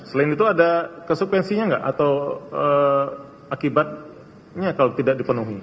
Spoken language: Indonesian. selain itu ada konsekuensinya nggak atau akibatnya kalau tidak dipenuhi